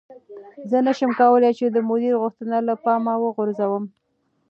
زه نشم کولی چې د مدیر غوښتنه له پامه وغورځوم.